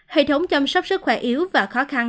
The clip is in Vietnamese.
hệ thống chăm sóc sức khỏe yếu và khó khăn